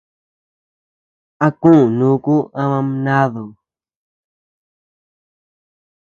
A kuu nuku ama mnadu.